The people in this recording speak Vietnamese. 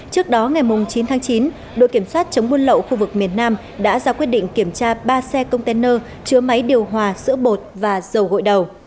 trước đó ngày chín tháng chín đội kiểm soát chống buôn lậu khu vực miền nam đã ra quyết định kiểm tra ba xe container chứa máy điều hòa sữa bột và dầu gội đầu